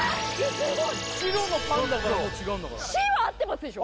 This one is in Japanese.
すごい「白のパンダ」からもう違うんだから「し」は合ってますでしょ？